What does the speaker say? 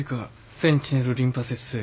センチネルリンパ節生検。